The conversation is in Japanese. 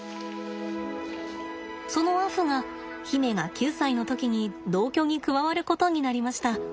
そのアフが媛が９歳の時に同居に加わることになりました。